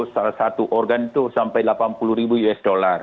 salah satu organ itu sampai delapan puluh ribu usd